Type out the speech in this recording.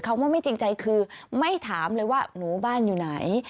คำว่าไม่จริงใจคือไม่ถามเลยว่าหนูบ้านอยู่ไหน